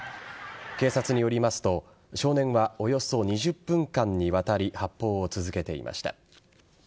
警察によりますと少年はおよそ２０分間にわたり発砲を続けていました。